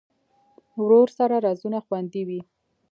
ورور سره رازونه خوندي وي.